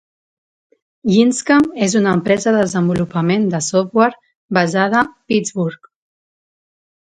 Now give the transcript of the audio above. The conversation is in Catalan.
YinzCam és una empresa de desenvolupament de software basada Pittsburgh.